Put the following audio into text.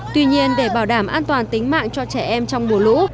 tuy nhiên để bảo đảm an toàn tính mạng cho trẻ em trong mùa lũ